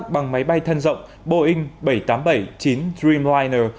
bằng máy bay thân rộng boeing bảy trăm tám mươi bảy chín dreamliner